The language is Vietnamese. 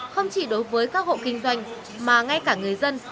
không chỉ đối với các hộ kinh doanh mà ngay cả người dân